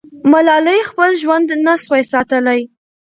ملالۍ خپل ژوند نه سوای ساتلی.